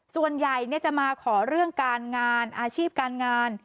ส่วนใหญ่เนี่ยจะมาขอเรื่องอาชีพการงาน